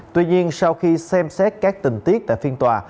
tuy nhiên sau khi xem xét các tình tiết tại phiên tòa